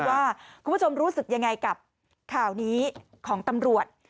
ว่าคุณผู้ชมรู้สึกยังไงกับข่าวนี้ของตำรวจ